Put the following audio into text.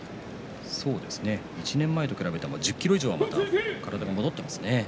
１年前と比べると１０ｋｇ以上体が戻っていますね。